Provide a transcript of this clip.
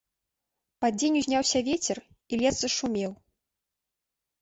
Пад дзень узняўся вецер, і лес зашумеў.